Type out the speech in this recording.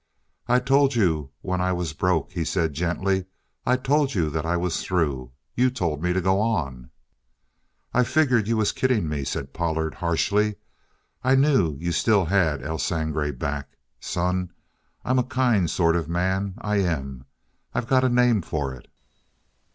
"I told you when I was broke," he said gently. "I told you that I was through. You told me to go on." "I figured you was kidding me," said Pollard harshly. "I knew you still had El Sangre back. Son, I'm a kind sort of a man, I am. I got a name for it."